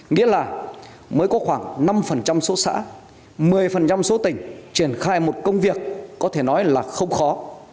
nghĩa là mới có khoảng năm số xã một mươi số tỉnh triển khai một công việc có thể nói là không khó